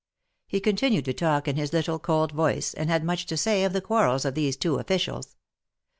He continued to talk in his little, cold voice, and had much to say of the quarrels of these two officials.